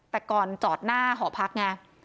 แต่ก่อนจอดหน้าหอพักไง